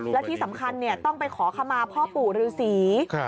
แล้วที่สำคัญเนี่ยต้องไปขอคำมาพ่อปู่ฤษี